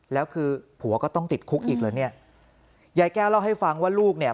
แล้วคือผัวก็ต้องติดคุกอีกเหรอเนี่ยยายแก้วเล่าให้ฟังว่าลูกเนี่ย